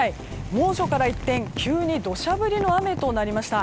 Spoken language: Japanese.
猛暑から一転急に土砂降りの雨となりました。